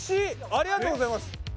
ありがとうございます。